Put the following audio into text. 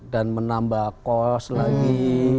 dan menambah kos lagi